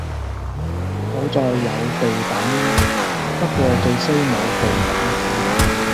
好在有避彈衣，不過最衰冇避彈褲